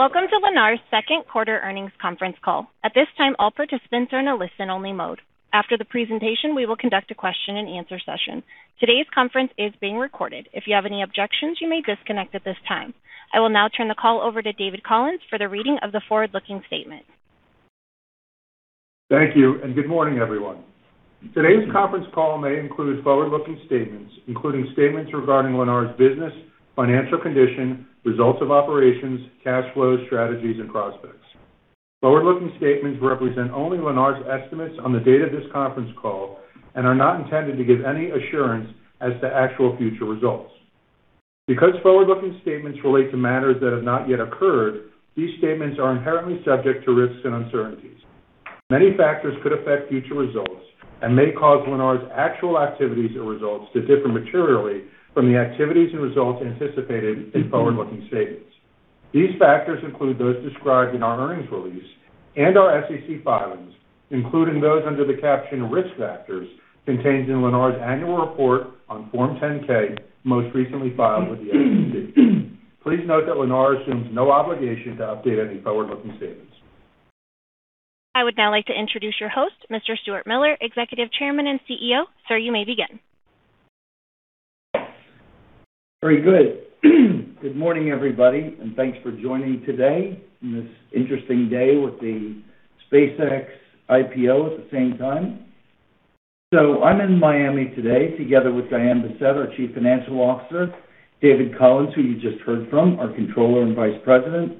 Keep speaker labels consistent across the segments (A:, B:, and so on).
A: Welcome to Lennar's second quarter earnings conference call. At this time, all participants are in a listen-only mode. After the presentation, we will conduct a question-and-answer session. Today's conference is being recorded. If you have any objections, you may disconnect at this time. I will now turn the call over to David Collins for the reading of the forward-looking statement.
B: Thank you. Good morning, everyone. Today's conference call may include forward-looking statements, including statements regarding Lennar's business, financial condition, results of operations, cash flow, strategies, and prospects. Forward-looking statements represent only Lennar's estimates on the date of this conference call and are not intended to give any assurance as to actual future results. Because forward-looking statements relate to matters that have not yet occurred, these statements are inherently subject to risks and uncertainties. Many factors could affect future results and may cause Lennar's actual activities or results to differ materially from the activities and results anticipated in forward-looking statements. These factors include those described in our earnings release and our SEC filings, including those under the caption Risk Factors contained in Lennar's Annual Report on Form 10-K, most recently filed with the SEC. Please note that Lennar assumes no obligation to update any forward-looking statements.
A: I would now like to introduce your host, Mr. Stuart Miller, Executive Chairman and CEO. Sir, you may begin.
C: Very good. Good morning, everybody, and thanks for joining today in this interesting day with the SpaceX IPO at the same time. I'm in Miami today together with Diane Bessette, our Chief Financial Officer, David Collins, who you just heard from, our Controller and Vice President,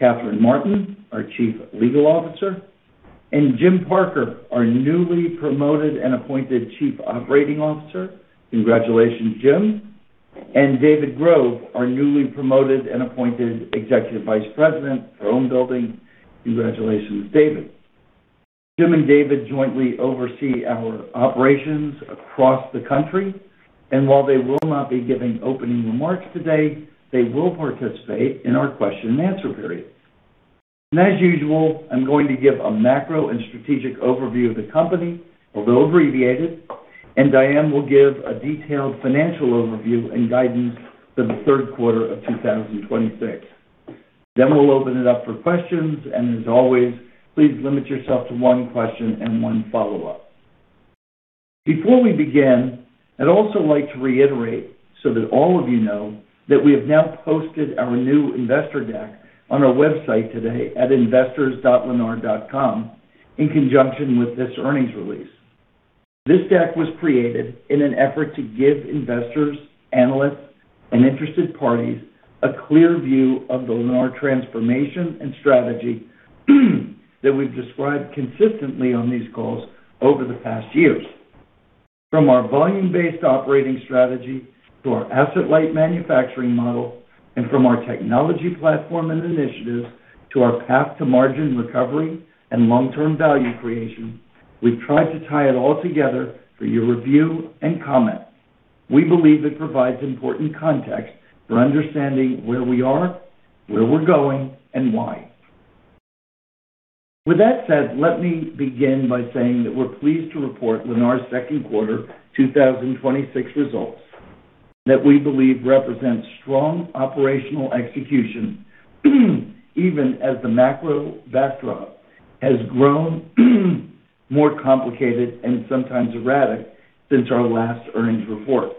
C: Katherine Martin, our Chief Legal Officer, and Jim Parker, our newly promoted and appointed Chief Operating Officer. Congratulations, Jim. David Grove, our newly promoted and appointed Executive Vice President for Homebuilding. Congratulations, David. Jim and David jointly oversee our operations across the country, and while they will not be giving opening remarks today, they will participate in our question-and-answer period. As usual, I'm going to give a macro and strategic overview of the company, although abbreviated, and Diane will give a detailed financial overview and guidance for the third quarter of 2026. We'll open it up for questions, as always, please limit yourself to one question and one follow-up. Before we begin, I'd also like to reiterate so that all of you know that we have now posted our new investor deck on our website today at investors.lennar.com in conjunction with this earnings release. This deck was created in an effort to give investors, analysts, and interested parties a clear view of the Lennar transformation and strategy that we've described consistently on these calls over the past years. From our volume-based operating strategy to our asset-light manufacturing model, from our technology platform and initiatives to our path to margin recovery and long-term value creation, we've tried to tie it all together for your review and comment. We believe it provides important context for understanding where we are, where we're going, and why. With that said, let me begin by saying that we're pleased to report Lennar's second quarter 2026 results that we believe represents strong operational execution, even as the macro backdrop has grown more complicated and sometimes erratic since our last earnings report.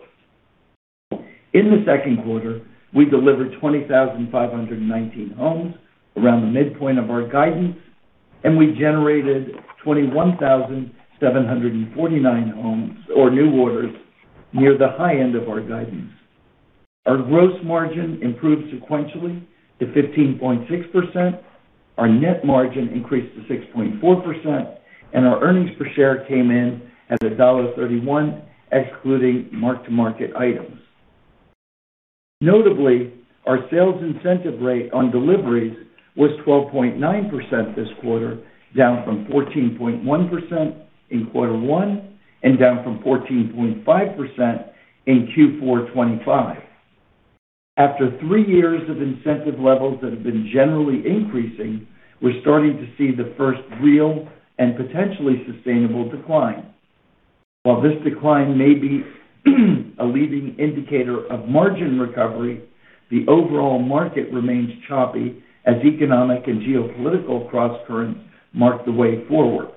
C: In the second quarter, we delivered 20,519 homes around the midpoint of our guidance, we generated 21,749 homes or new orders near the high end of our guidance. Our gross margin improved sequentially to 15.6%, our net margin increased to 6.4%, and our earnings per share came in at $1.31, excluding mark-to-market items. Notably, our sales incentive rate on deliveries was 12.9% this quarter, down from 14.1% in quarter one and down from 14.5% in Q4 2025. After three years of incentive levels that have been generally increasing, we're starting to see the first real and potentially sustainable decline. While this decline may be a leading indicator of margin recovery, the overall market remains choppy as economic and geopolitical crosscurrents mark the way forward.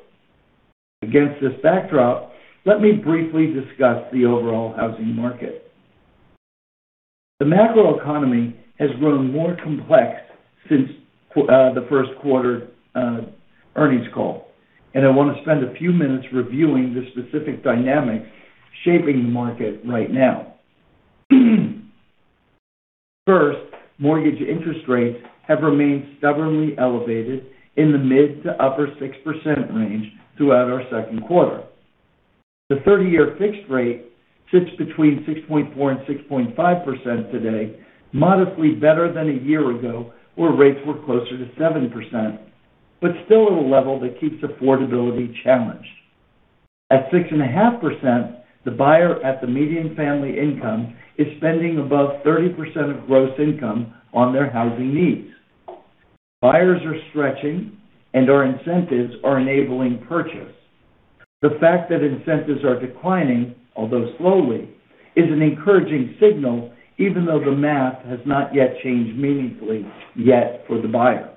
C: Against this backdrop, let me briefly discuss the overall housing market. The macroeconomy has grown more complex since the first quarter earnings call, I want to spend a few minutes reviewing the specific dynamics shaping the market right now. First, mortgage interest rates have remained stubbornly elevated in the mid to upper 6% range throughout our second quarter. The 30-year fixed rate sits between 6.4% and 6.5% today, modestly better than a year ago, where rates were closer to 7%, but still at a level that keeps affordability challenged. At 6.5%, the buyer at the median family income is spending above 30% of gross income on their housing needs. Buyers are stretching, our incentives are enabling purchase. The fact that incentives are declining, although slowly, is an encouraging signal, even though the math has not yet changed meaningfully yet for the buyer.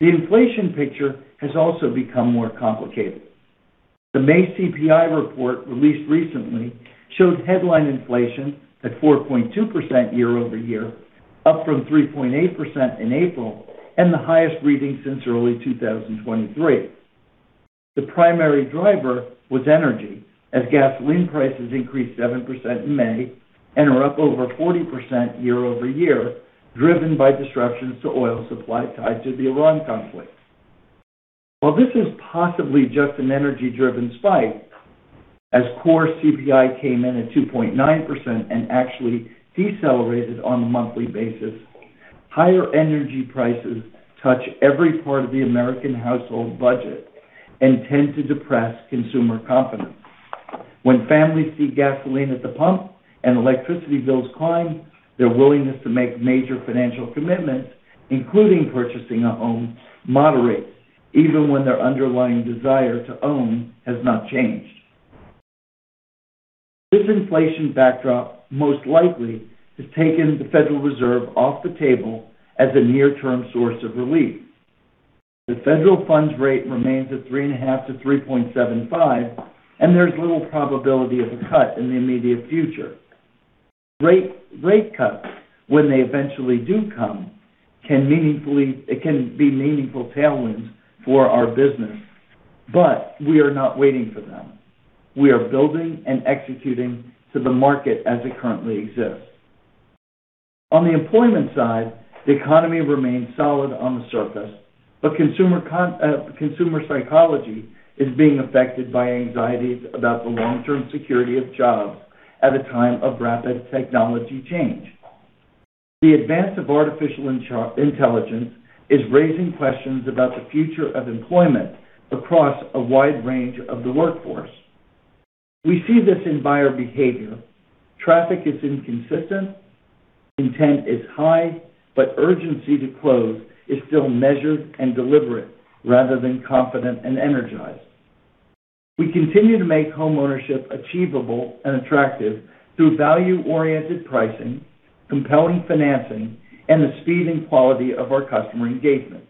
C: The inflation picture has also become more complicated. The May CPI report, released recently, showed headline inflation at 4.2% year-over-year, up from 3.8% in April, and the highest reading since early 2023. The primary driver was energy, as gasoline prices increased 7% in May and are up over 40% year-over-year, driven by disruptions to oil supply tied to the Iran conflict. While this is possibly just an energy-driven spike, as core CPI came in at 2.9% actually decelerated on a monthly basis, higher energy prices touch every part of the American household budget and tend to depress consumer confidence. When families see gasoline at the pump and electricity bills climb, their willingness to make major financial commitments, including purchasing a home, moderates even when their underlying desire to own has not changed. This inflation backdrop most likely has taken the Federal Reserve off the table as a near-term source of relief. The federal funds rate remains at 3.5%-3.75%. There's little probability of a cut in the immediate future. Rate cuts, when they eventually do come, it can be meaningful tailwinds for our business. We are not waiting for them. We are building and executing to the market as it currently exists. On the employment side, the economy remains solid on the surface, but consumer psychology is being affected by anxieties about the long-term security of jobs at a time of rapid technology change. The advance of artificial intelligence is raising questions about the future of employment across a wide range of the workforce. We see this in buyer behavior. Traffic is inconsistent, intent is high. Urgency to close is still measured and deliberate rather than confident and energized. We continue to make homeownership achievable and attractive through value-oriented pricing, compelling financing, and the speed and quality of our customer engagement.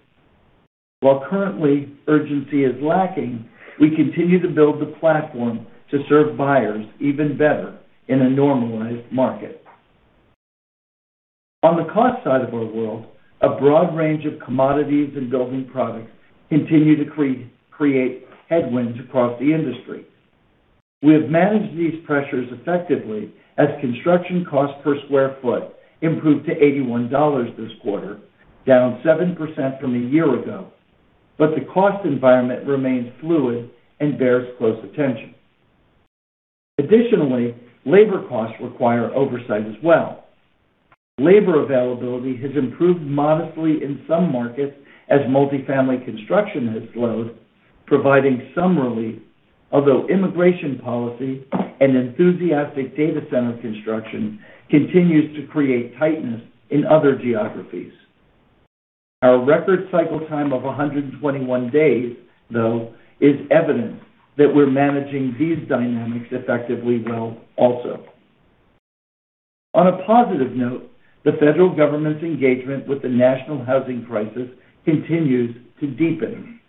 C: While currently urgency is lacking, we continue to build the platform to serve buyers even better in a normalized market. On the cost side of our world, a broad range of commodities and building products continue to create headwinds across the industry. We have managed these pressures effectively as construction cost per square foot improved to $81 this quarter, down 7% from a year ago. The cost environment remains fluid and bears close attention. Additionally, labor costs require oversight as well. Labor availability has improved modestly in some markets as multifamily construction has slowed, providing some relief, although immigration policy and enthusiastic data center construction continues to create tightness in other geographies. Our record cycle time of 121 days, though, is evidence that we're managing these dynamics effectively well also. On a positive note, the federal government's engagement with the national housing crisis continues to deepen.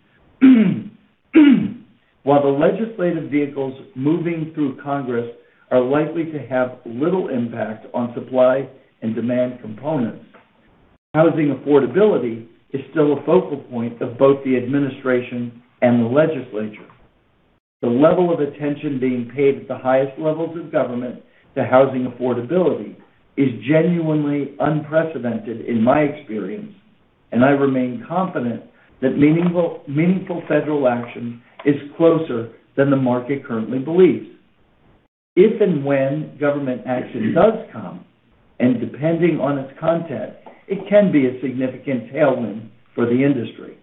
C: While the legislative vehicles moving through Congress are likely to have little impact on supply and demand components, housing affordability is still a focal point of both the administration and the legislature. The level of attention being paid at the highest levels of government to housing affordability is genuinely unprecedented in my experience. I remain confident that meaningful federal action is closer than the market currently believes. If and when government action does come, depending on its content, it can be a significant tailwind for the industry.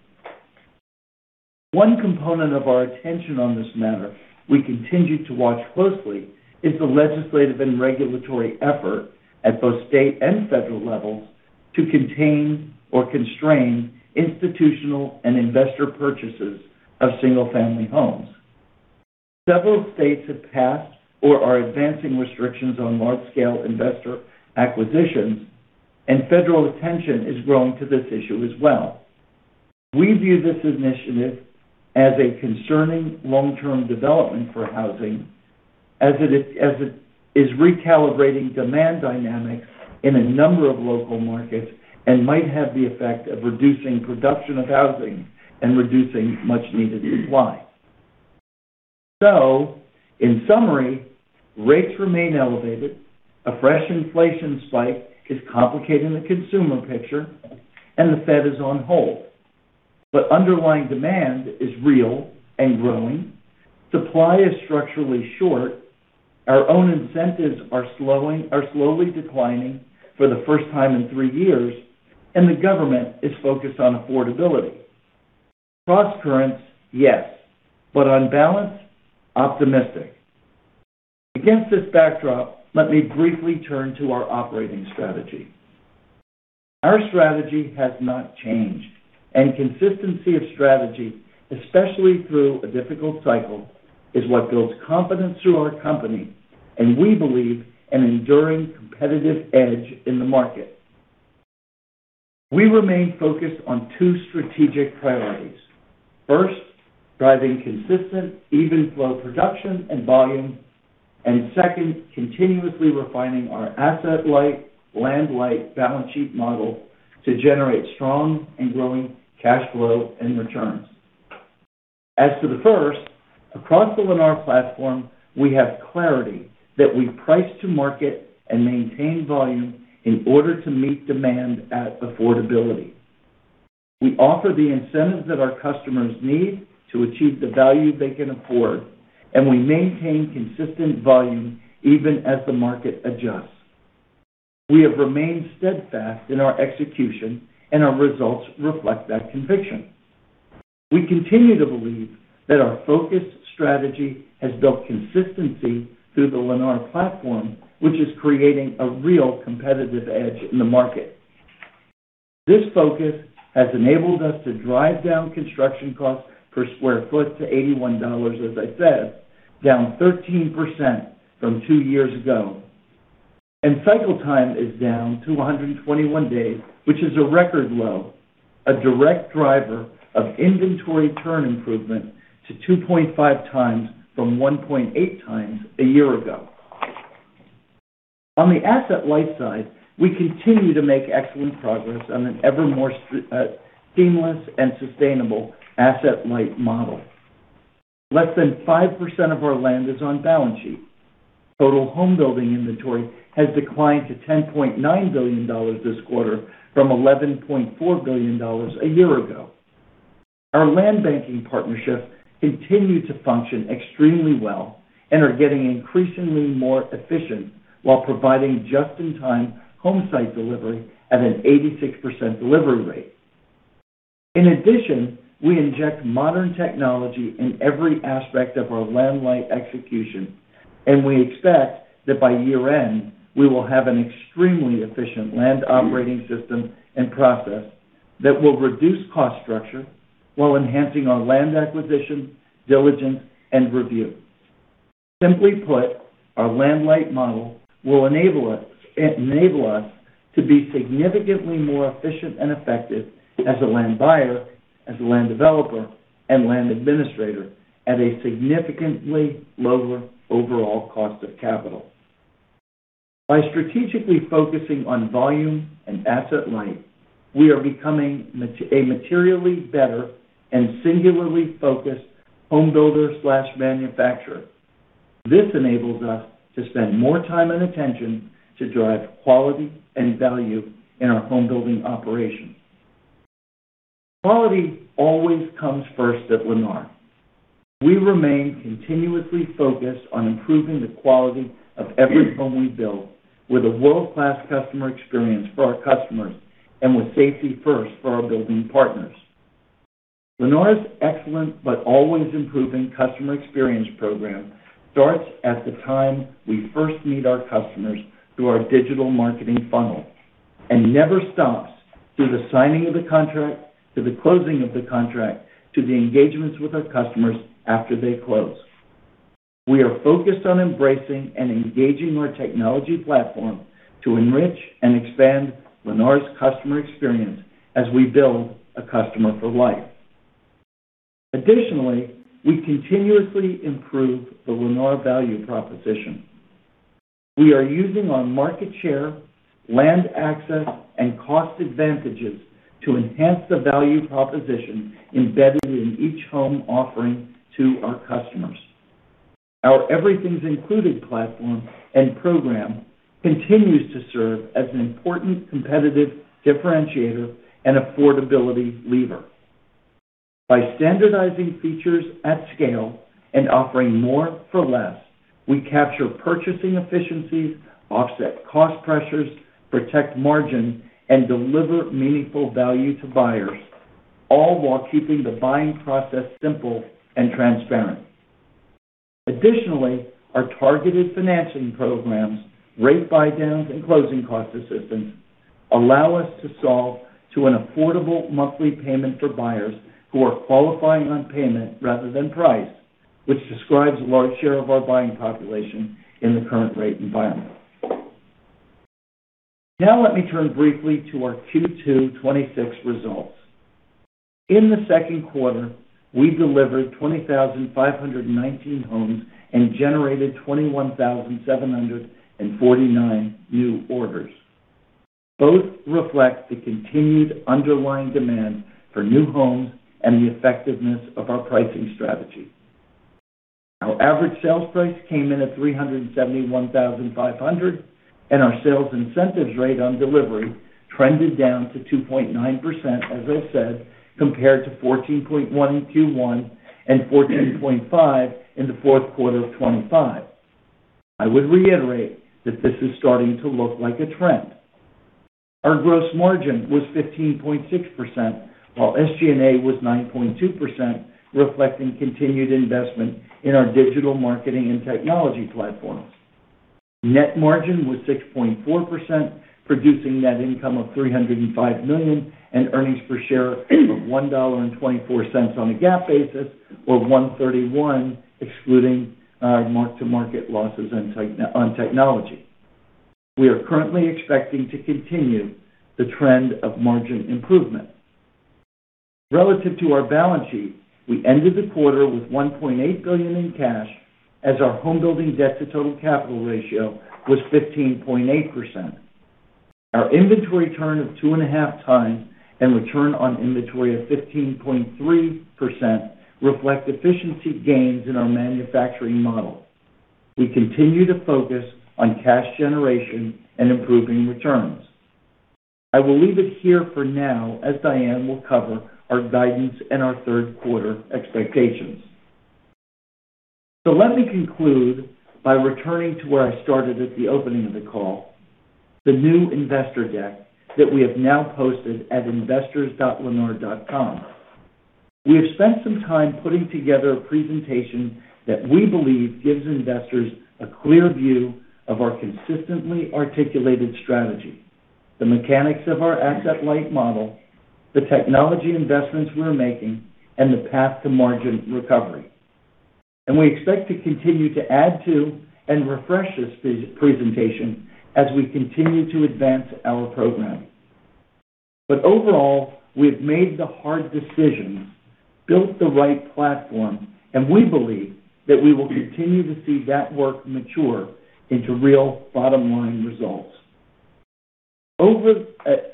C: One component of our attention on this matter we continue to watch closely is the legislative and regulatory effort at both state and federal levels to contain or constrain institutional and investor purchases of single-family homes. Several states have passed or are advancing restrictions on large-scale investor acquisitions. Federal attention is growing to this issue as well. We view this initiative as a concerning long-term development for housing as it is recalibrating demand dynamics in a number of local markets and might have the effect of reducing production of housing and reducing much needed supply. In summary, rates remain elevated, a fresh inflation spike is complicating the consumer picture. The Fed is on hold. Underlying demand is real and growing, supply is structurally short, our own incentives are slowly declining for the first time in three years, and the government is focused on affordability. Cross-currents, yes. On balance, optimistic. Against this backdrop, let me briefly turn to our operating strategy. Our strategy has not changed. Consistency of strategy, especially through a difficult cycle, is what builds confidence through our company, and we believe an enduring competitive edge in the market. We remain focused on two strategic priorities. First, driving consistent even flow production and volume. Second, continuously refining our asset-light, land-light balance sheet model to generate strong and growing cash flow and returns. As to the first, across the Lennar platform, we have clarity that we price to market and maintain volume in order to meet demand at affordability. We offer the incentives that our customers need to achieve the value they can afford, and we maintain consistent volume even as the market adjusts. We have remained steadfast in our execution, and our results reflect that conviction. We continue to believe that our focused strategy has built consistency through the Lennar platform, which is creating a real competitive edge in the market. This focus has enabled us to drive down construction costs per square foot to $81, as I said, down 13% from two years ago. Cycle time is down to 121 days, which is a record low, a direct driver of inventory turn improvement to 2.5x from 1.8x a year ago. On the asset light side, we continue to make excellent progress on an ever more seamless and sustainable asset-light model. Less than 5% of our land is on balance sheet. Total home building inventory has declined to $10.9 billion this quarter from $11.4 billion a year ago. Our land banking partnerships continue to function extremely well and are getting increasingly more efficient while providing just-in-time home site delivery at an 86% delivery rate. We inject modern technology in every aspect of our land-light execution, and we expect that by year-end, we will have an extremely efficient land operating system and process that will reduce cost structure while enhancing our land acquisition, diligence, and review. Simply put, our land-light model will enable us to be significantly more efficient and effective as a land buyer, as a land developer, and land administrator at a significantly lower overall cost of capital. By strategically focusing on volume and asset light, we are becoming a materially better and singularly focused home builder/manufacturer. This enables us to spend more time and attention to drive quality and value in our home building operations. Quality always comes first at Lennar. We remain continuously focused on improving the quality of every home we build with a world-class customer experience for our customers and with safety-first for our building partners. Lennar's excellent but always improving customer experience program starts at the time we first meet our customers through our digital marketing funnel and never stops through the signing of the contract, to the closing of the contract, to the engagements with our customers after they close. We are focused on embracing and engaging our technology platform to enrich and expand Lennar's customer experience as we build a customer for life. We continuously improve the Lennar value proposition. We are using our market share, land access, and cost advantages to enhance the value proposition embedded in each home offering to our customers. Our Everything's Included platform and program continues to serve as an important competitive differentiator and affordability lever. By standardizing features at scale and offering more for less, we capture purchasing efficiencies, offset cost pressures, protect margin, and deliver meaningful value to buyers, all while keeping the buying process simple and transparent. Additionally, our targeted financing programs, rate buydowns, and closing cost assistance allow us to solve to an affordable monthly payment for buyers who are qualifying on payment rather than price, which describes a large share of our buying population in the current rate environment. Let me turn briefly to our Q2 2026 results. In the second quarter, we delivered 20,519 homes and generated 21,749 new orders. Both reflect the continued underlying demand for new homes and the effectiveness of our pricing strategy. Our average sales price came in at $371,500, and our sales incentives rate on delivery trended down to 2.9%, as I said, compared to 14.1% in Q1 and 14.5% in the fourth quarter of 2025. I would reiterate that this is starting to look like a trend. Our gross margin was 15.6%, while SG&A was 9.2%, reflecting continued investment in our digital marketing and technology platforms. Net margin was 6.4%, producing net income of $305 million and earnings per share of $1.24 on a GAAP basis or $1.31 excluding mark-to-market losses on technology. We are currently expecting to continue the trend of margin improvement. Relative to our balance sheet, we ended the quarter with $1.8 billion in cash as our home building debt-to-total capital ratio was 15.8%. Our inventory turn of 2.5x And return on inventory of 15.3% reflect efficiency gains in our manufacturing model. We continue to focus on cash generation and improving returns. I will leave it here for now, as Diane will cover our guidance and our third quarter expectations. Let me conclude by returning to where I started at the opening of the call, the new investor deck that we have now posted at investors.lennar.com. We have spent some time putting together a presentation that we believe gives investors a clear view of our consistently articulated strategy, the mechanics of our asset-light model, the technology investments we're making, and the path to margin recovery. We expect to continue to add to and refresh this presentation as we continue to advance our program. Overall, we have made the hard decisions, built the right platform, and we believe that we will continue to see that work mature into real bottom-line results.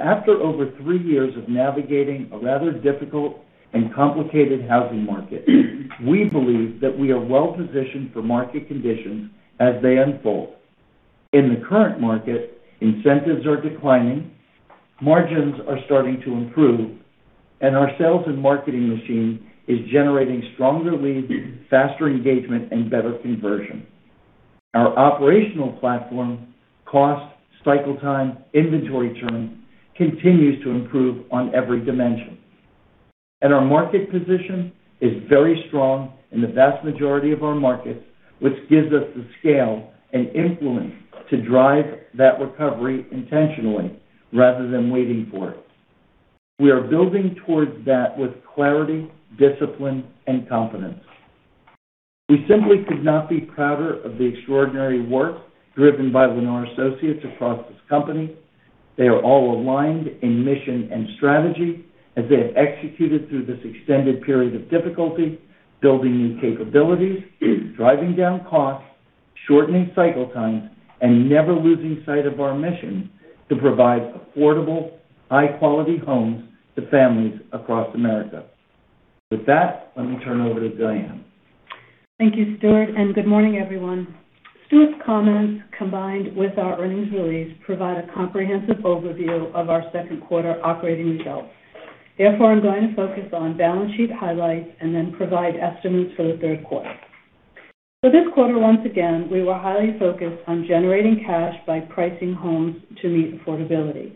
C: After over three years of navigating a rather difficult and complicated housing market, we believe that we are well-positioned for market conditions as they unfold. In the current market, incentives are declining, margins are starting to improve, and our sales and marketing machine is generating stronger leads, faster engagement, and better conversion. Our operational platform, cost, cycle time, inventory turn, continues to improve on every dimension, and our market position is very strong in the vast majority of our markets, which gives us the scale and influence to drive that recovery intentionally rather than waiting for it. We are building towards that with clarity, discipline, and confidence. We simply could not be prouder of the extraordinary work driven by Lennar associates across this company. They are all aligned in mission and strategy as they have executed through this extended period of difficulty building new capabilities, driving down costs, shortening cycle times, and never losing sight of our mission to provide affordable, high-quality homes to families across America. With that, let me turn over to Diane.
D: Thank you, Stuart, and good morning, everyone. Stuart's comments, combined with our earnings release, provide a comprehensive overview of our second quarter operating results. Therefore, I'm going to focus on balance sheet highlights and then provide estimates for the third quarter. This quarter, once again, we were highly focused on generating cash by pricing homes to meet affordability.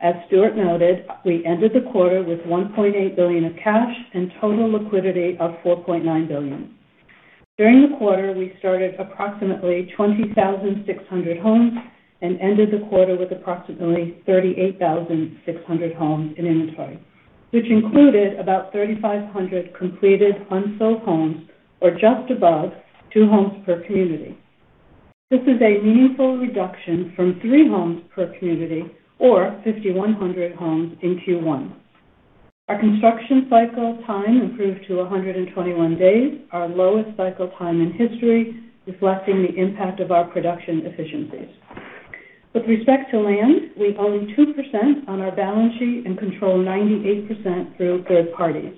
D: As Stuart noted, we ended the quarter with $1.8 billion of cash and total liquidity of $4.9 billion. During the quarter, we started approximately 20,600 homes and ended the quarter with approximately 38,600 homes in inventory, which included about 3,500 completed unsold homes or just above two homes per community. This is a meaningful reduction from three homes per community or 5,100 homes in Q1. Our construction cycle time improved to 121 days, our lowest cycle time in history, reflecting the impact of our production efficiencies. With respect to land, we own 2% on our balance sheet and control 98% through third-parties.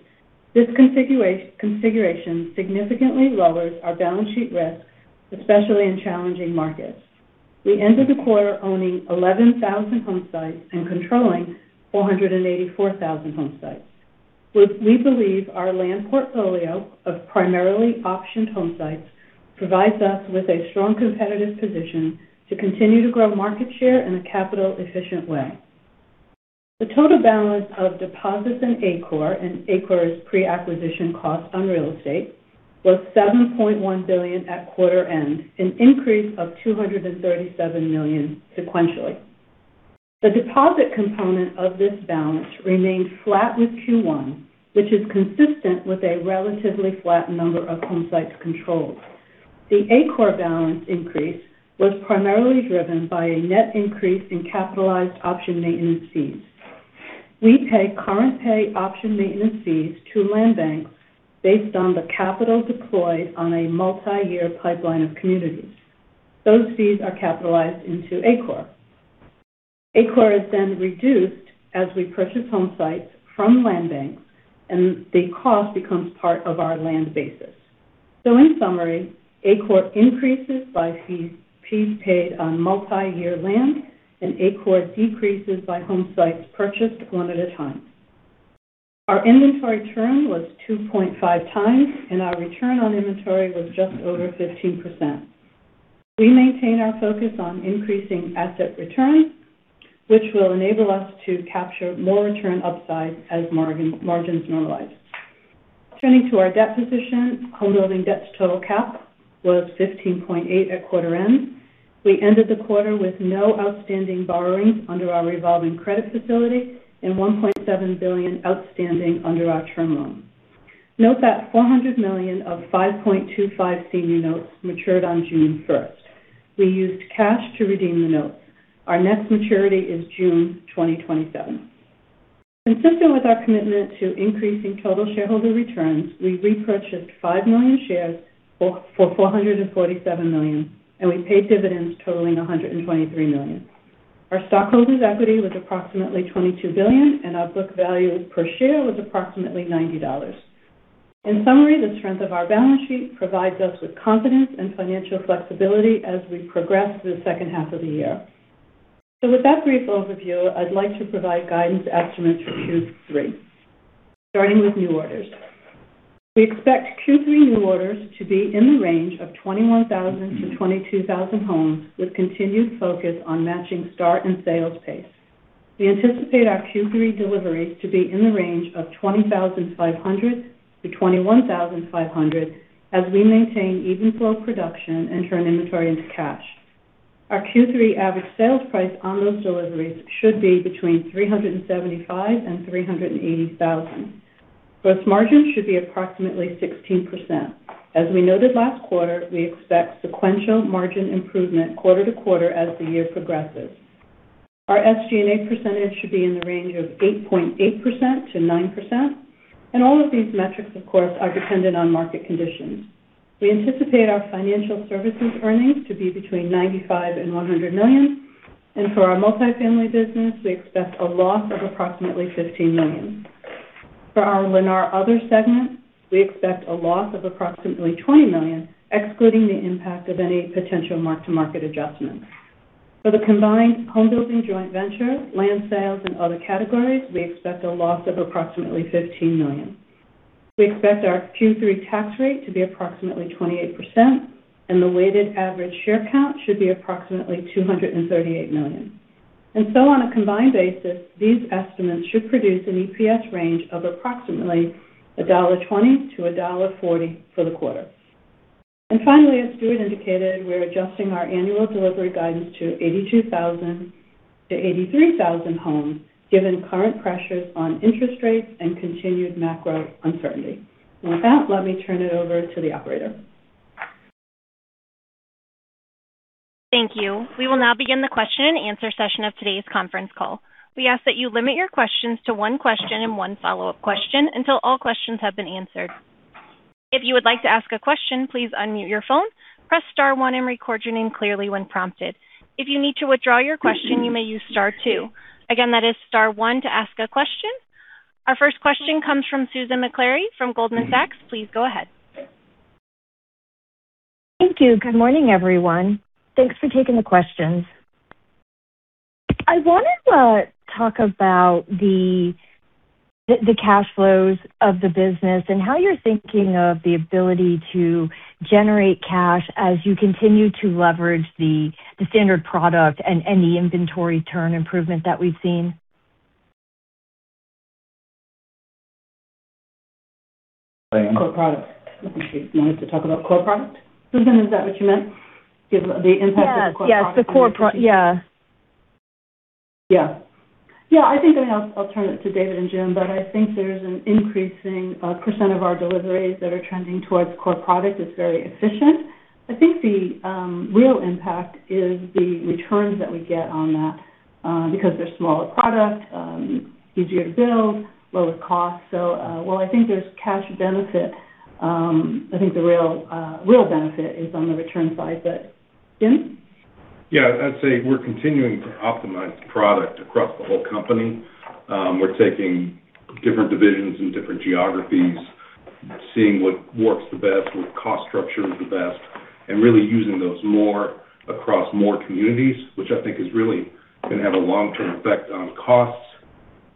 D: This configuration significantly lowers our balance sheet risk, especially in challenging markets. We ended the quarter owning 11,000 homesites and controlling 484,000 homesites, which we believe our land portfolio of primarily optioned homesites provides us with a strong competitive position to continue to grow market share in a capital-efficient way. The total balance of deposits in ACOR, and ACOR is pre-acquisition cost on real estate, was $7.1 billion at quarter-end, an increase of $237 million sequentially. The deposit component of this balance remained flat with Q1, which is consistent with a relatively flat number of homesites controlled. The ACOR balance increase was primarily driven by a net increase in capitalized option maintenance fees. We pay current pay option maintenance fees to land banks based on the capital deployed on a multiyear pipeline of communities. Those fees are capitalized into ACOR. ACOR is then reduced as we purchase homesites from land banks, and the cost becomes part of our land basis. In summary, ACOR increases by fees paid on multiyear land and ACOR decreases by homesites purchased one at a time. Our inventory turn was 2.5x, and our return on inventory was just over 15%. We maintain our focus on increasing asset returns, which will enable us to capture more return upside as margins normalize. Turning to our debt position, homebuilding debt-to-total cap was 15.8% at quarter end. We ended the quarter with no outstanding borrowings under our revolving credit facility and $1.7 billion outstanding under our Term Loan. Note that $400 million of 5.25% senior notes matured on June 1st. We used cash to redeem the notes. Our next maturity is June 2027. Consistent with our commitment to increasing total shareholder returns, we repurchased 5 million shares for $447 million, and we paid dividends totaling $123 million. Our stockholders' equity was approximately $22 billion, and our book value per share was approximately $90. In summary, the strength of our balance sheet provides us with confidence and financial flexibility as we progress through the second half of the year. With that brief overview, I'd like to provide guidance estimates for Q3, starting with new orders. We expect Q3 new orders to be in the range of 21,000-22,000 homes, with continued focus on matching start and sales pace. We anticipate our Q3 deliveries to be in the range of 20,500-21,500 as we maintain even flow of production and turn inventory into cash. Our Q3 average sales price on those deliveries should be between $375,000 and $380,000. Gross margin should be approximately 16%. As we noted last quarter, we expect sequential margin improvement quarter-to-quarter as the year progresses. Our SG&A percentage should be in the range of 8.8%-9%, and all of these metrics, of course, are dependent on market conditions. We anticipate our financial services earnings to be between $95 million and $100 million, and for our multifamily business, we expect a loss of approximately $15 million. For our Lennar Other segment, we expect a loss of approximately $20 million, excluding the impact of any potential mark-to-market adjustments. For the combined homebuilding joint venture, land sales, and other categories, we expect a loss of approximately $15 million. We expect our Q3 tax rate to be approximately 28%, and the weighted average share count should be approximately 238 million. On a combined basis, these estimates should produce an EPS range of approximately $1.20 to $1.40 for the quarter. Finally, as Stuart indicated, we're adjusting our annual delivery guidance to 82,000 to 83,000 homes, given current pressures on interest rates and continued macro uncertainty. With that, let me turn it over to the operator.
A: Thank you. We will now begin the question-and-answer session of today's conference call. We ask that you limit your questions to one question and one follow-up question until all questions have been answered. If you would like to ask a question, please unmute your phone, press star one and record your name clearly when prompted. If you need to withdraw your question, you may use star two. Again, that is star one to ask a question. Our first question comes from Susan Maklari from Goldman Sachs. Please go ahead.
E: Thank you. Good morning, everyone. Thanks for taking the questions. I wanted to talk about the cash flows of the business and how you're thinking of the ability to generate cash as you continue to leverage the standard product and the inventory turn improvement that we've seen.
D: Core product. I think she wanted to talk about core product. Susan, is that what you meant? The impact of core product?
E: Yes, the core product. Yeah.
D: Yeah. I think I'll turn it to David and Jim, I think there's an increasing percent of our deliveries that are trending towards core product. It's very efficient. I think the real impact is the returns that we get on that, because they're smaller product, easier to build, lower cost. While I think there's cash benefit, I think the real benefit is on the return side. Jim?
F: Yeah, I'd say we're continuing to optimize product across the whole company. We're taking different divisions and different geographies, seeing what works the best, what cost structure is the best, and really using those more across more communities, which I think is really going to have a long-term effect on costs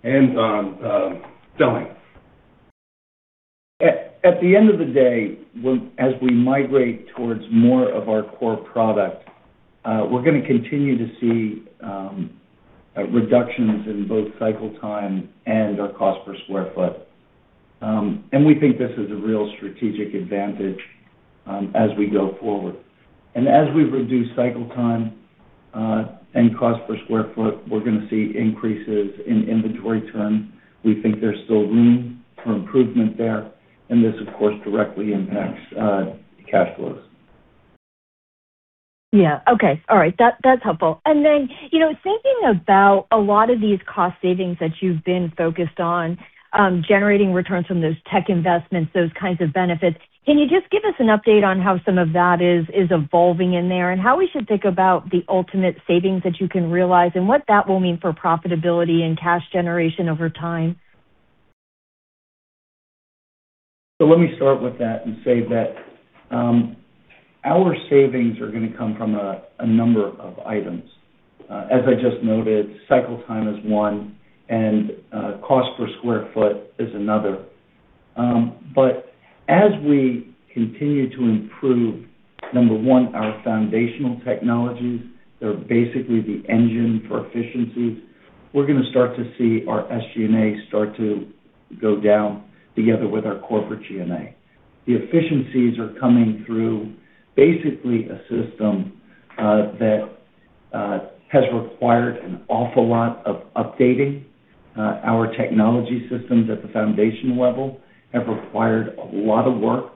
F: and on selling.
C: At the end of the day, as we migrate towards more of our core product, we're going to continue to see reductions in both cycle time and our cost per square foot. We think this is a real strategic advantage as we go forward. As we reduce cycle time and cost per square foot, we're going to see increases in inventory turn. We think there's still room for improvement there, and this, of course, directly impacts cash flows.
E: Yeah. Okay. All right. That's helpful. Then, thinking about a lot of these cost savings that you've been focused on, generating returns from those tech investments, those kinds of benefits, can you just give us an update on how some of that is evolving in there, and how we should think about the ultimate savings that you can realize and what that will mean for profitability and cash generation over time?
C: Let me start with that and say that our savings are going to come from a number of items. As I just noted, cycle time is one and cost per square foot is another. As we continue to improve, number onr, our foundational technologies, they're basically the engine for efficiencies. We're going to start to see our SG&A start to go down together with our corporate G&A. The efficiencies are coming through basically a system that has required an awful lot of updating. Our technology systems at the foundation level have required a lot of work.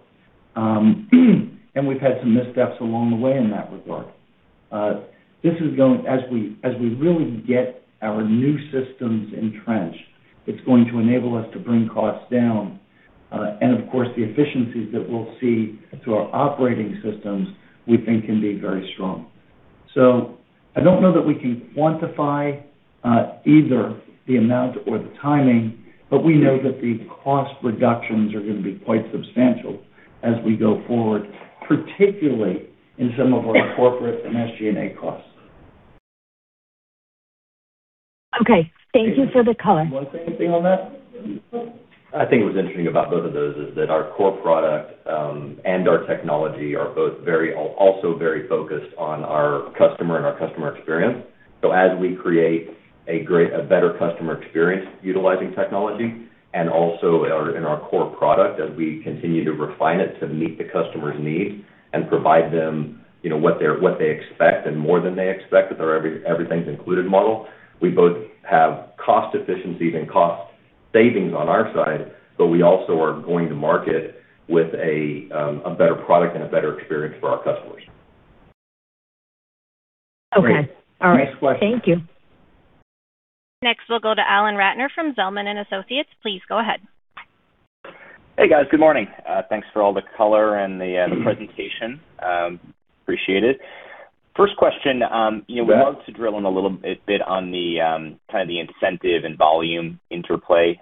C: We've had some missteps along the way in that regard. As we really get our new systems entrenched, it's going to enable us to bring costs down. Of course, the efficiencies that we'll see through our operating systems, we think can be very strong. I don't know that we can quantify either the amount or the timing, but we know that the cost reductions are going to be quite substantial as we go forward, particularly in some of our corporate and SG&A costs.
E: Okay. Thank you for the color.
C: David, do you want to say anything on that?
G: I think what's interesting about both of those is that our core product, and our technology are both also very focused on our customer and our customer experience. As we create a better customer experience utilizing technology and also in our core product, as we continue to refine it to meet the customer's needs and provide them what they expect and more than they expect with our Everything's Included model, we both have cost efficiencies and cost savings on our side, but we also are going to market with a better product and a better experience for our customers.
E: Okay.
C: Great.
E: All right.
C: Next question.
E: Thank you.
A: Next, we'll go to Alan Ratner from Zelman & Associates. Please go ahead.
H: Hey, guys. Good morning. Thanks for all the color and the presentation. Appreciate it. First question-
C: Yeah
H: We wanted to drill in a little bit on the kind of the incentive and volume interplay.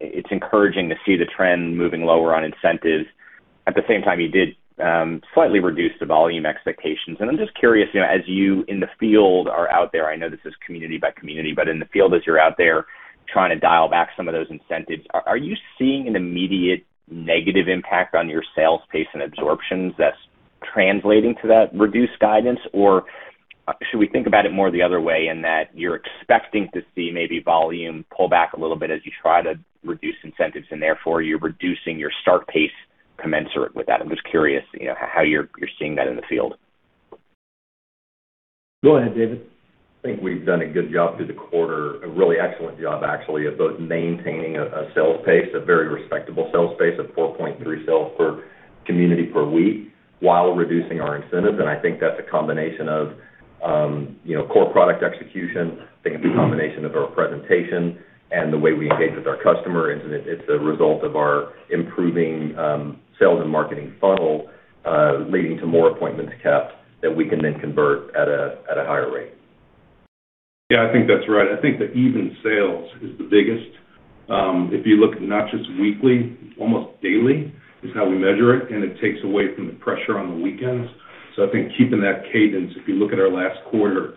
H: It's encouraging to see the trend moving lower on incentives. At the same time, you did slightly reduce the volume expectations. I'm just curious, as you in the field are out there, I know this is community by community, but in the field, as you're out there trying to dial back some of those incentives, are you seeing an immediate negative impact on your sales pace and absorptions that's translating to that reduced guidance? Or should we think about it more the other way in that you're expecting to see maybe volume pull back a little bit as you try to reduce incentives and therefore you're reducing your start pace commensurate with that? I'm just curious, how you're seeing that in the field.
C: Go ahead, David.
G: I think we've done a good job through the quarter, a really excellent job actually, of both maintaining a sales pace, a very respectable sales pace of 4.3 sales per community per week while reducing our incentives. I think that's a combination of core product execution. I think it's a combination of our presentation and the way we engage with our customer. It's a result of our improving sales and marketing funnel, leading to more appointments kept that we can then convert at a higher rate.
F: I think that's right. I think the even sales is the biggest. If you look not just weekly, almost daily is how we measure it, and it takes away from the pressure on the weekends. I think keeping that cadence, if you look at our last quarter,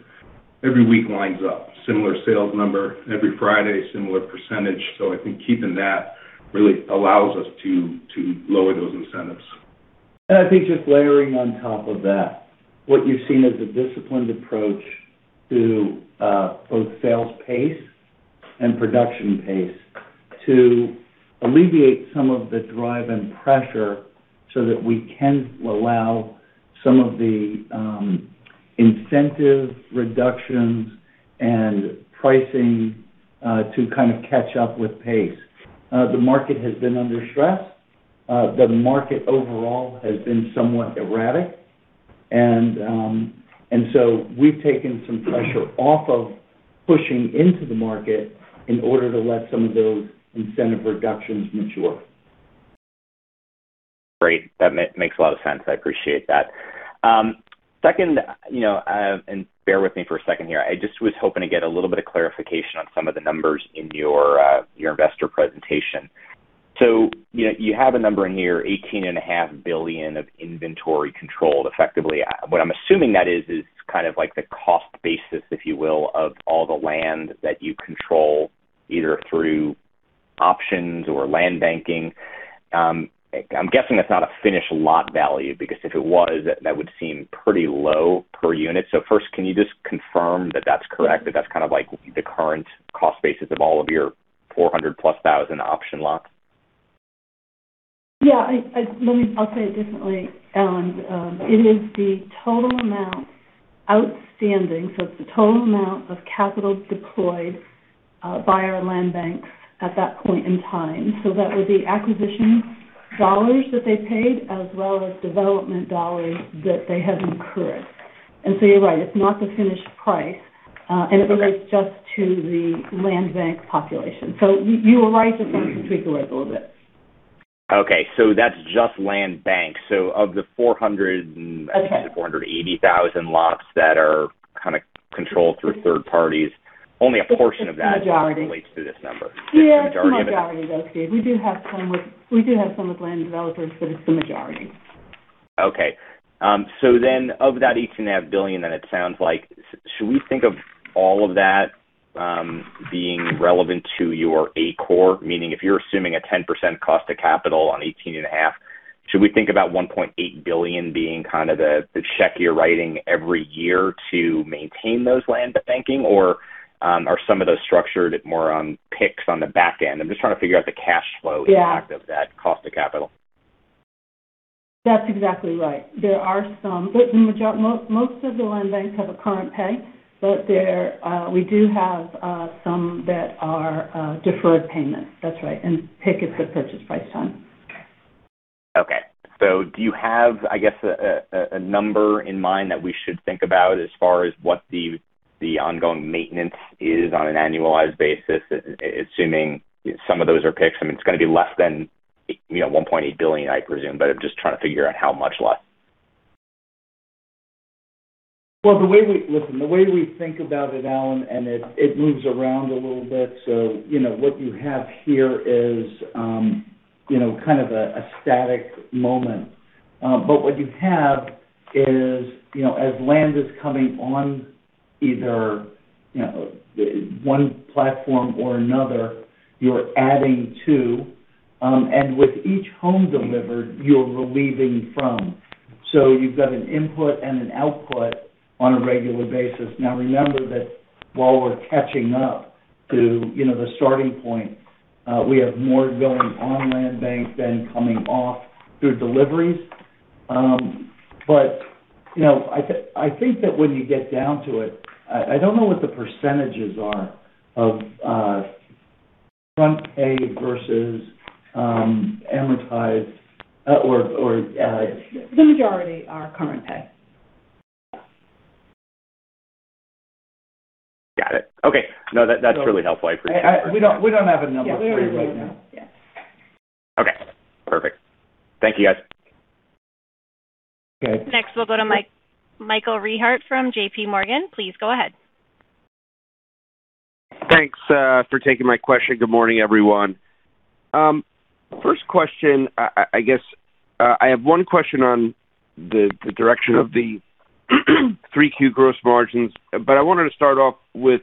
F: every week lines up. Similar sales number, every Friday, similar percentage. I think keeping that really allows us to lower those incentives.
C: I think just layering on top of that, what you've seen is a disciplined approach to both sales pace and production pace to alleviate some of the drive and pressure so that we can allow some of the incentive reductions and pricing to kind of catch up with pace. The market has been under stress. The market overall has been somewhat erratic. We've taken some pressure off of pushing into the market in order to let some of those incentive reductions mature.
H: Great. That makes a lot of sense. I appreciate that. Second, bear with me for a second here. I just was hoping to get a little bit of clarification on some of the numbers in your investor presentation. You have a number in here, $18.5 billion of inventory controlled. Effectively, what I'm assuming that is kind of like the cost basis, if you will, of all the land that you control, either through options or land banking. I'm guessing that's not a finished lot value, because if it was, that would seem pretty low per unit. First, can you just confirm that that's correct? That that's kind of like the current cost basis of all of your 400,000+ option lots?
D: Yeah. I'll say it differently, Alan. It is the total amount outstanding, so it's the total amount of capital deployed by our land banks at that point in time. That would be acquisition dollars that they paid as well as development dollars that they have incurred. You're right, it's not the finished price. It relates just to the land bank population. You are right. Just wanted to tweak the words a little bit.
H: Okay. That's just land banks. Of the 400,000 and-
D: Okay
H: I think it's 480,000 lots that are kind of controlled through third-parties, only a portion of that-
D: It's the majority
H: relates to this number.
D: Yeah. The majority of though, [Steve]. We do have some with land developers, but it's the majority.
H: Okay. Of that $18.5 billion then it sounds like, should we think of all of that being relevant to your ACOR? Meaning if you're assuming a 10% cost of capital on $18.5 billion, should we think about $1.8 billion being kind of the check you're writing every year to maintain those land banking, or are some of those structured more on PIKs on the back end? I'm just trying to figure out the cash flow.
D: Yeah
H: impact of that cost of capital.
D: That's exactly right. There are some. Most of the land banks have a current pay. We do have some that are deferred payment. That's right. PIK is the purchase price on.
H: Okay. Do you have, I guess, a number in mind that we should think about as far as what the ongoing maintenance is on an annualized basis, assuming some of those are PIKs? I mean, it's going to be less than $1.8 billion, I presume, but I'm just trying to figure out how much less.
C: Well, listen, the way we think about it, Alan, and it moves around a little bit. What you have here is kind of a static moment. What you have is, as land is coming on either one platform or another, you're adding to. With each home delivered, you're relieving from. You've got an input and an output on a regular basis. Now, remember that while we're catching up to the starting point, we have more going on land bank than coming off through deliveries. I think that when you get down to it, I don't know what the percentages are of front pay versus amortized or-
D: The majority are current pay.
H: Got it. Okay. No, that's really helpful. I appreciate that.
C: We don't have a number for you right now.
D: Yeah.
H: Okay, perfect. Thank you, guys.
C: Okay.
A: Next, we'll go to Michael Rehaut from JPMorgan. Please go ahead.
I: Thanks for taking my question. Good morning, everyone. First question, I guess, I have one question on the direction of the 3Q gross margins. I wanted to start off with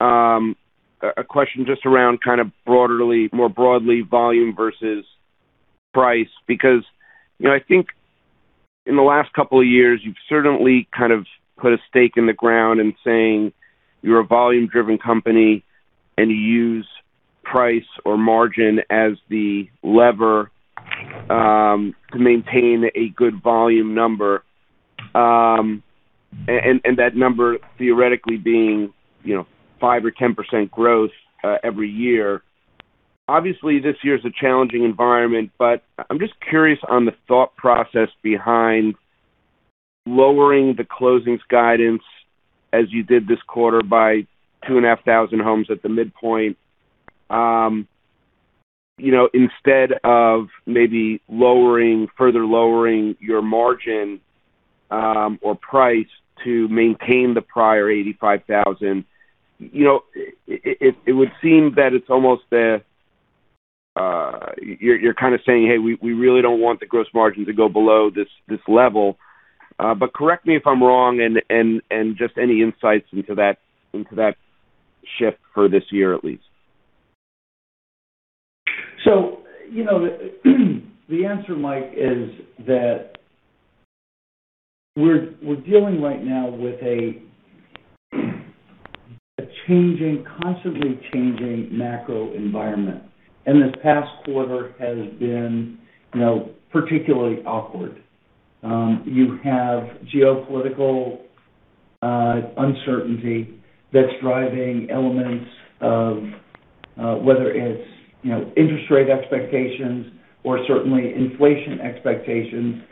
I: a question just around kind of more broadly volume versus price. I think in the last couple of years, you've certainly kind of put a stake in the ground in saying you're a volume-driven company, and you use price or margin as the lever to maintain a good volume number. That number theoretically being 5% or 10% growth every year. Obviously, this year is a challenging environment, but I'm just curious on the thought process behind lowering the closings guidance as you did this quarter by 2,500 homes at the midpoint instead of maybe further lowering your margin or price to maintain the prior 85,000. It would seem that it's almost you're kind of saying, hey, we really don't want the gross margin to go below this level. Correct me if I'm wrong, and just any insights into that shift for this year at least.
C: The answer, Mike, is that we're dealing right now with a constantly changing macro environment. This past quarter has been particularly awkward. You have geopolitical uncertainty that's driving elements of whether it's interest rate expectations or certainly inflation expectations.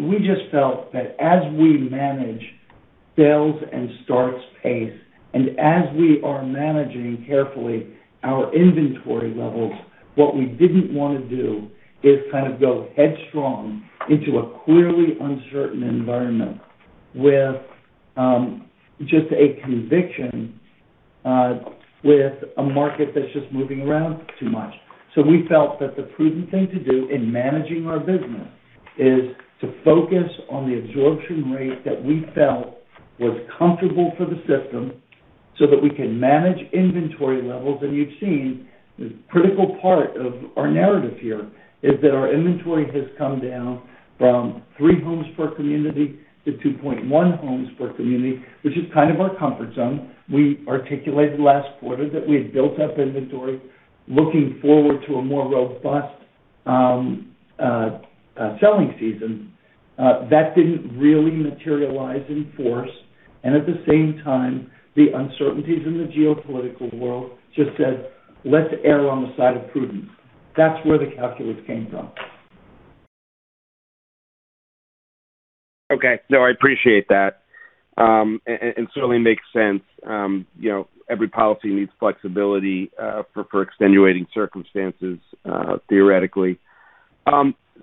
C: We just felt that as we manage sales and starts pace, and as we are managing carefully our inventory levels, what we didn't want to do is kind of go headstrong into a clearly uncertain environment with just a conviction with a market that's just moving around too much. We felt that the prudent thing to do in managing our business is to focus on the absorption rate that we felt was comfortable for the system so that we can manage inventory levels. You've seen the critical part of our narrative here is that our inventory has come down from three homes per community to 2.1 homes per community, which is kind of our comfort zone. We articulated last quarter that we had built up inventory looking forward to a more robust selling season. That didn't really materialize in force, at the same time, the uncertainties in the geopolitical world just said, let's err on the side of prudence. That's where the calculus came from.
I: Okay. No, I appreciate that. Certainly makes sense. Every policy needs flexibility for extenuating circumstances theoretically.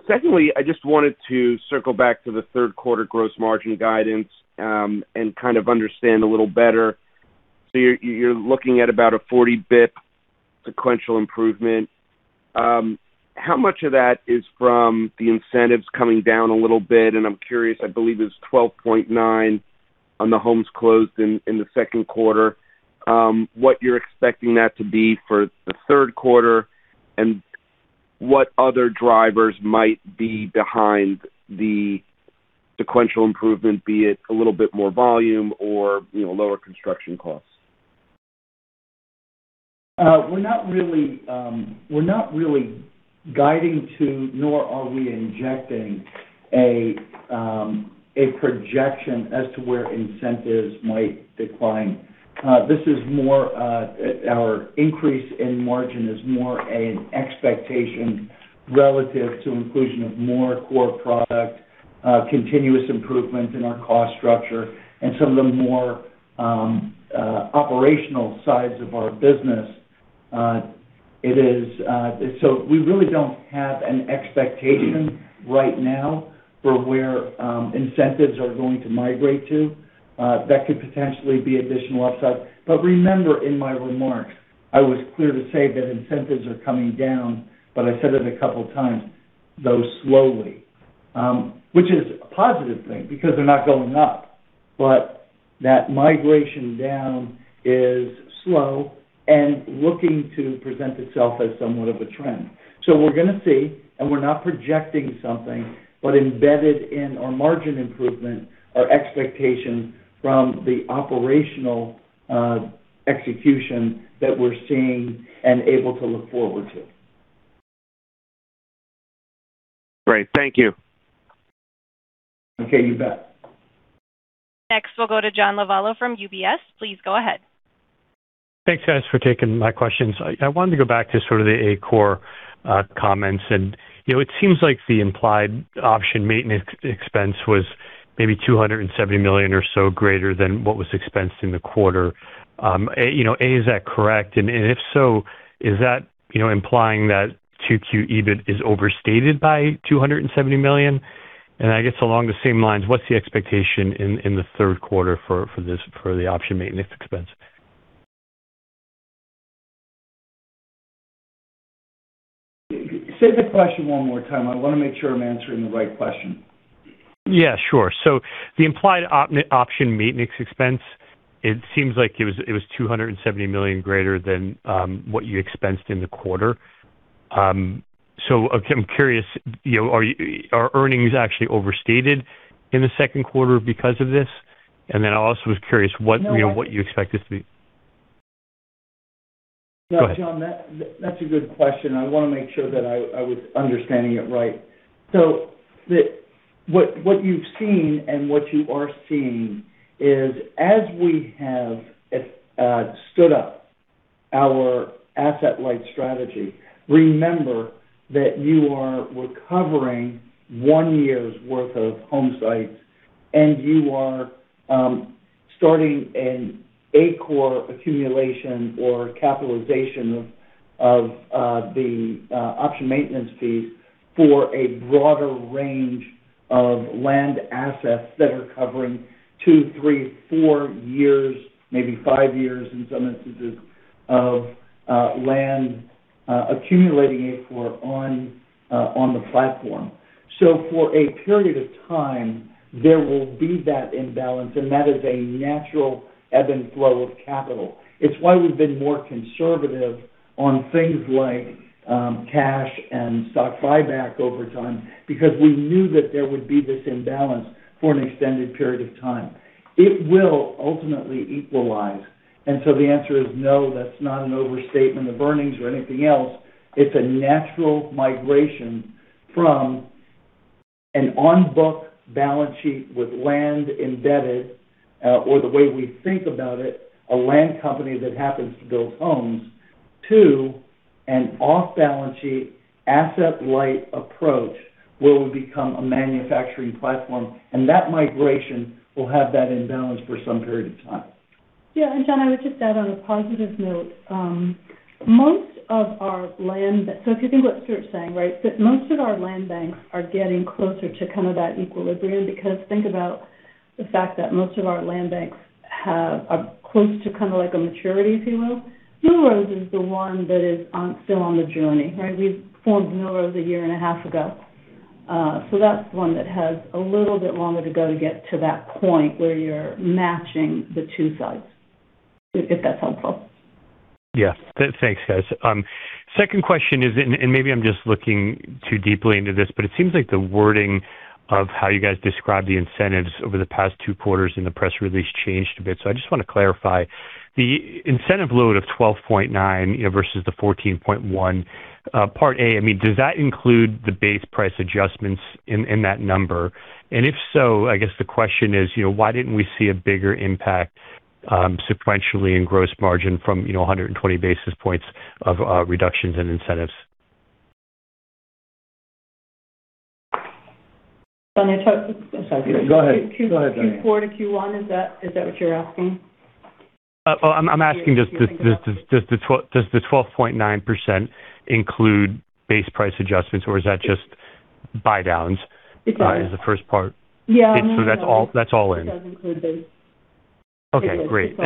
I: Secondly, I just wanted to circle back to the third quarter gross margin guidance and kind of understand a little better. You're looking at about a 40 basis points sequential improvement. How much of that is from the incentives coming down a little bit? I'm curious, I believe it's 12.9% on the homes closed in the second quarter, what you're expecting that to be for the third quarter, and what other drivers might be behind the sequential improvement, be it a little bit more volume or lower construction costs?
C: We're not really guiding to, nor are we injecting a projection as to where incentives might decline. Our increase in margin is more an expectation relative to inclusion of more core product, continuous improvement in our cost structure and some of the more operational sides of our business. We really don't have an expectation right now for where incentives are going to migrate to. That could potentially be additional upside. Remember, in my remarks, I was clear to say that incentives are coming down, I said it a couple of times, though slowly. Which is a positive thing because they're not going up. That migration down is slow and looking to present itself as somewhat of a trend. We're going to see, and we're not projecting something, embedded in our margin improvement are expectations from the operational execution that we're seeing and able to look forward to.
I: Great. Thank you.
C: Okay, you bet.
A: Next, we'll go to John Lovallo from UBS. Please go ahead.
J: Thanks, guys, for taking my questions. I wanted to go back to sort of the ACOR comments. It seems like the implied option maintenance expense was maybe $270 million or so greater than what was expensed in the quarter. A, is that correct? If so, is that implying that 2Q EBIT is overstated by $270 million? I guess along the same lines, what's the expectation in the third quarter for the option maintenance expense?
C: Say the question one more time. I want to make sure I'm answering the right question.
J: Yeah, sure. The implied option maintenance expense, it seems like it was $270 million greater than what you expensed in the quarter. I'm curious, are earnings actually overstated in the second quarter because of this? I also was curious what
C: No
J: you expect this to be. Go ahead.
C: John, that's a good question. I want to make sure that I was understanding it right. What you've seen and what you are seeing is as we have stood up our asset-light strategy, remember that you are recovering one year's worth of home sites, and you are starting an ACOR accumulation or capitalization of the option maintenance fees for a broader range of land assets that are covering two, three, four years, maybe five years in some instances, of land accumulating ACOR on the platform. For a period of time, there will be that imbalance, and that is a natural ebb and flow of capital. It's why we've been more conservative on things like cash and stock buyback over time, because we knew that there would be this imbalance for an extended period of time. It will ultimately equalize. The answer is no, that's not an overstatement of earnings or anything else. It's a natural migration from an on-book balance sheet with land embedded, or the way we think about it, a land company that happens to build homes, to an off-balance sheet, asset-light approach where we've become a manufacturing platform, and that migration will have that imbalance for some period of time.
D: Yeah. John, I would just add on a positive note. If you think what Stuart's saying, right, that most of our land banks are getting closer to kind of that equilibrium, because think about the fact that most of our land banks are close to kind of like a maturity, if you will. New Roads is the one that is still on the journey, right? We formed New Roads a year and a half ago. That's one that has a little bit longer to go to get to that point where you're matching the two sides. If that's helpful.
J: Yeah. Thanks, guys. Second question is, maybe I'm just looking too deeply into this, it seems like the wording of how you guys describe the incentives over the past two quarters in the press release changed a bit. I just want to clarify. The incentive load of 12.9% versus the 14.1%, part A, does that include the base price adjustments in that number? If so, I guess the question is, why didn't we see a bigger impact sequentially in gross margin from 120 basis points of reductions in incentives?
D: John, I'm sorry.
C: Go ahead, Diane.
D: Q4 to Q1, is that what you're asking?
J: I'm asking does the 12.9% include base price adjustments or is that just. Buy downs.
D: Exactly
J: is the first part.
D: Yeah.
J: That's all in.
D: It does include the
J: Okay, great.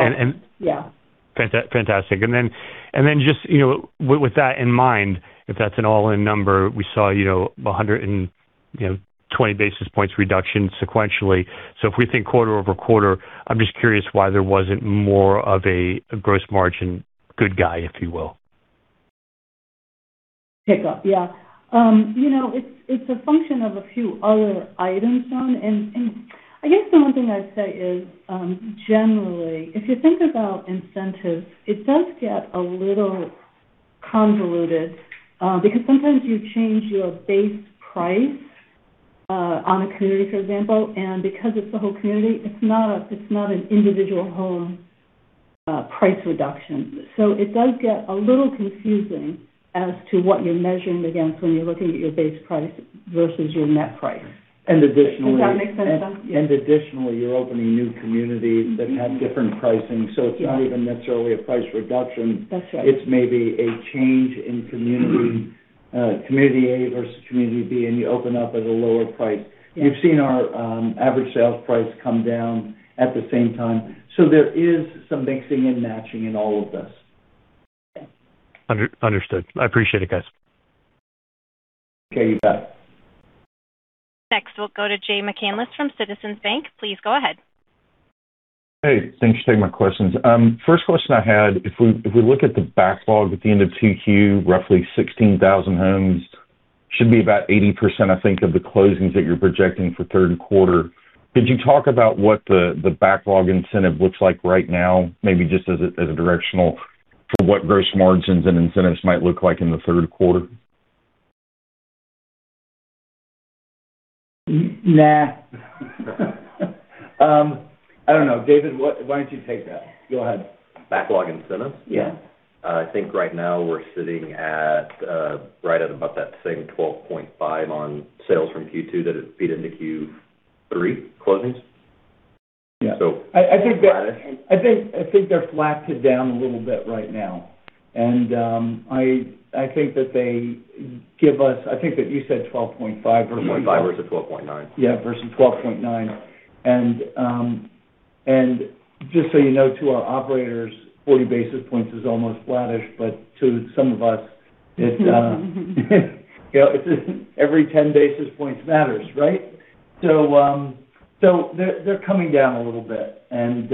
D: Yeah.
J: Fantastic. Just with that in mind, if that's an all-in number, we saw 120 basis points reduction sequentially. If we think quarter-over-quarter, I'm just curious why there wasn't more of a gross margin good guy, if you will.
D: Pick up. Yeah. It's a function of a few other items, John. I guess the one thing I'd say is, generally, if you think about incentives, it does get a little convoluted, because sometimes you change your base price on a community, for example. Because it's the whole community, it's not an individual home price reduction. It does get a little confusing as to what you're measuring against when you're looking at your base price versus your net price.
C: Additionally.
D: Does that make sense, John?
C: Additionally, you're opening new communities that have different pricing. It's not even necessarily a price reduction.
D: That's right.
C: It's maybe a change in community A versus community B, and you open up at a lower price.
D: Yeah.
C: We've seen our average sales price come down at the same time. There is some mixing and matching in all of this.
D: Yeah.
J: Understood. I appreciate it, guys.
C: Okay, you bet.
A: Next, we'll go to Jay McCanless from Citizens Bank. Please go ahead.
K: Hey, thanks for taking my questions. First question I had, if we look at the backlog at the end of 2Q, roughly 16,000 homes, should be about 80%, I think, of the closings that you're projecting for third quarter. Could you talk about what the backlog incentive looks like right now? Maybe just as a directional for what gross margins and incentives might look like in the third quarter.
C: Nah. I don't know. David, why don't you take that? Go ahead.
G: Backlog incentive?
C: Yeah.
G: I think right now we're sitting at right at about that same 12.5% on sales from Q2 that it feed into Q3 closings.
C: Yeah.
G: So-
C: I think they're flatted down a little bit right now. I think that they give us, I think that you said 12.5%.
G: 12.5% versus 12.9%.
C: Yeah, versus 12.9%. Just so you know, to our operators, 40 basis points is almost flattish, to some of us, every 10 basis points matters, right? They're coming down a little bit, we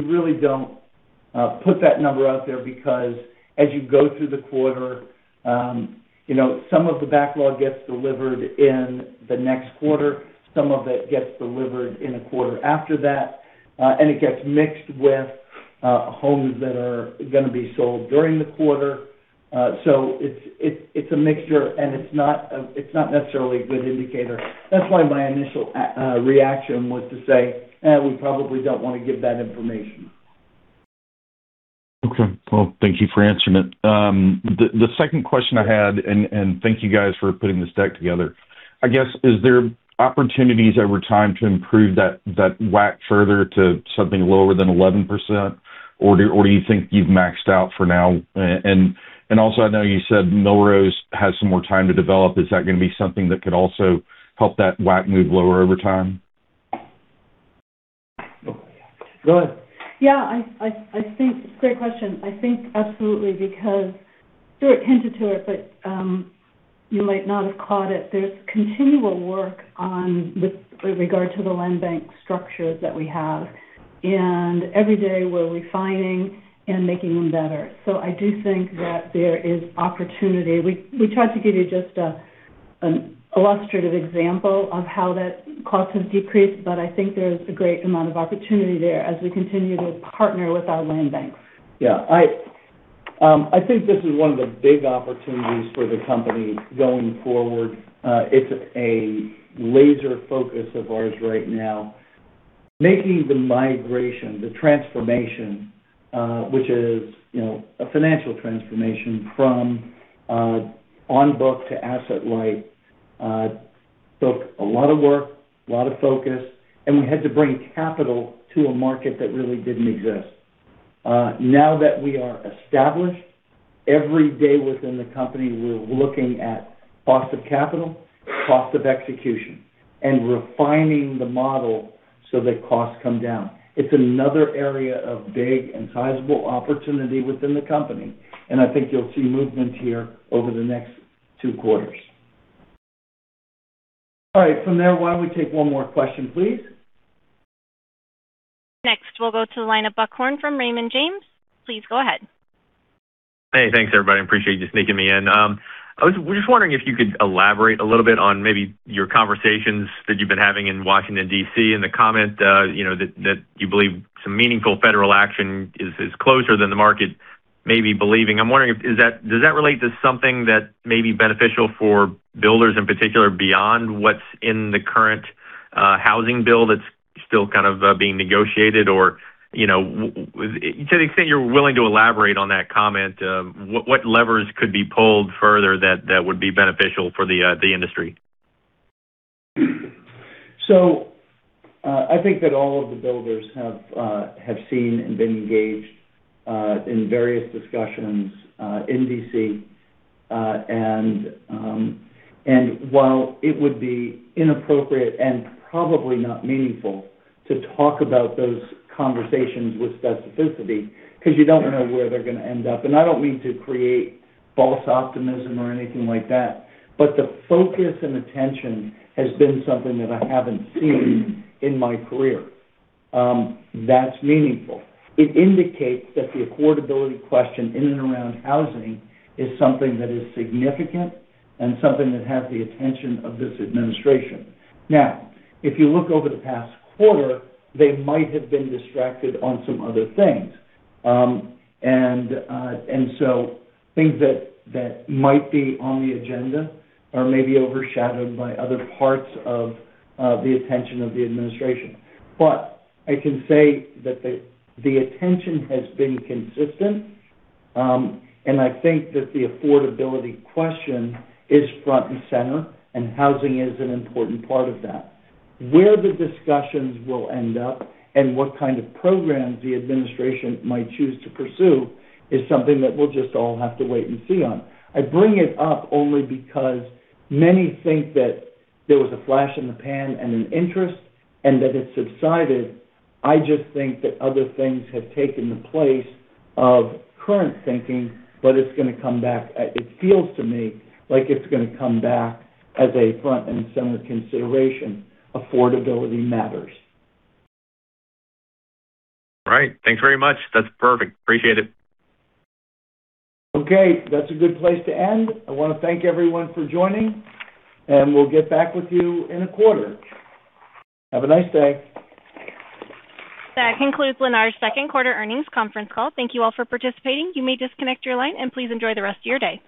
C: really don't put that number out there because as you go through the quarter, some of the backlog gets delivered in the next quarter, some of it gets delivered in a quarter after that. It gets mixed with homes that are going to be sold during the quarter. It's a mixture and it's not necessarily a good indicator. That's why my initial reaction was to say, eh, we probably don't want to give that information.
K: Okay. Well, thank you for answering it. The second question I had, thank you guys for putting this deck together. I guess, is there opportunities over time to improve that WACC further to something lower than 11%? Do you think you've maxed out for now? Also, I know you said Melrose has some more time to develop. Is that going to be something that could also help that WACC move lower over time?
C: Go ahead.
D: Yeah. It's a great question. I think absolutely, because Stuart hinted to it, but you might not have caught it. There's continual work on with regard to the land bank structures that we have, and every day we're refining and making them better. I do think that there is opportunity. We tried to give you just an illustrative example of how that cost has decreased, but I think there's a great amount of opportunity there as we continue to partner with our land banks.
C: Yeah. I think this is one of the big opportunities for the company going forward. It's a laser focus of ours right now. Making the migration, the transformation, which is a financial transformation from on-book to asset-light, took a lot of work, a lot of focus, and we had to bring capital to a market that really didn't exist. Now that we are established, every day within the company, we're looking at cost of capital, cost of execution, and refining the model so that costs come down. It's another area of big and sizable opportunity within the company, and I think you'll see movement here over the next two quarters. All right. From there, why don't we take one more question, please?
A: Next, we'll go to the line of Buck Horne from Raymond James. Please go ahead.
L: Hey, thanks everybody. I appreciate you sneaking me in. I was just wondering if you could elaborate a little bit on maybe your conversations that you've been having in Washington, D.C., and the comment that you believe some meaningful federal action is closer than the market may be believing. I'm wondering, does that relate to something that may be beneficial for builders in particular beyond what's in the current housing bill that's still kind of being negotiated? To the extent you're willing to elaborate on that comment, what levers could be pulled further that would be beneficial for the industry?
C: I think that all of the builders have seen and been engaged in various discussions in D.C.. While it would be inappropriate and probably not meaningful to talk about those conversations with specificity, because you don't know where they're going to end up, and I don't mean to create false optimism or anything like that. The focus and attention has been something that I haven't seen in my career. That's meaningful. It indicates that the affordability question in and around housing is something that is significant and something that has the attention of this administration. If you look over the past quarter, they might have been distracted on some other things. Things that might be on the agenda are maybe overshadowed by other parts of the attention of the administration. I can say that the attention has been consistent, and I think that the affordability question is front and center, and housing is an important part of that. Where the discussions will end up and what kind of programs the administration might choose to pursue is something that we'll just all have to wait and see on. I bring it up only because many think that there was a flash in the pan and an interest and that it subsided. I just think that other things have taken the place of current thinking, but it's going to come back. It feels to me like it's going to come back as a front-and-center consideration. Affordability matters.
L: All right. Thanks very much. That's perfect. Appreciate it.
C: Okay. That's a good place to end. I want to thank everyone for joining, and we'll get back with you in a quarter. Have a nice day.
A: That concludes Lennar's second quarter earnings conference call. Thank you all for participating. You may disconnect your line, and please enjoy the rest of your day.